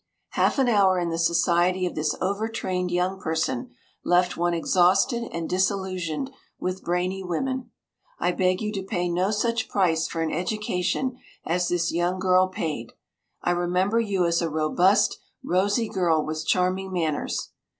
Half an hour in the society of this over trained young person left one exhausted and disillusioned with brainy women. I beg you to pay no such price for an education as this young girl paid. I remember you as a robust, rosy girl, with charming manners.